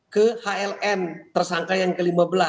ke hlm tersangka yang ke lima belas